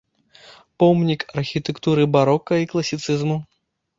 Помнік архітэктуры барока і класіцызму.